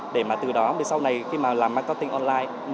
để mà từ đó về sau này khi mà làm marketing online